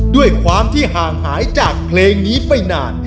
ด้วยความที่ห่างหายจากเพลงนี้ไปนาน